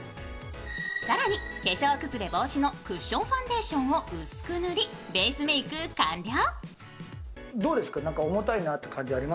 更に、化粧崩れ防止のクッションファンデーションを薄く塗り、ベースメーク完了。